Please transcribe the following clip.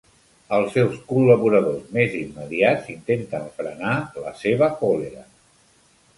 Els seus col·laboradors més immediats intenten frenar la seva còlera.